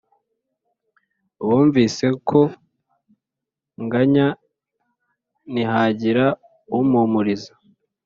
“Bumvise ko nganya ntihagira umpumuriza,